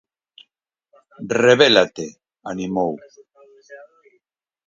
Rebélate, animou.